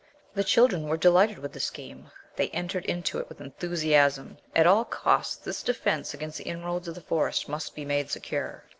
The children were delighted with the scheme. They entered into it with enthusiasm. At all costs this defense against the inroads of the Forest must be made secure.